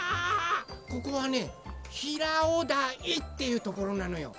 ここはね平尾台っていうところなのよ。